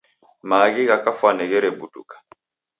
Maaghi gha kafwani gherebuduka.